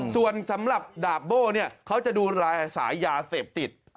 ส่วนสำหรับดับโบ้เขาจะดูสายยาเสพติด